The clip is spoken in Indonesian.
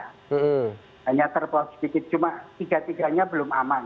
hanya terbawah sedikit cuma tiga tiganya belum aman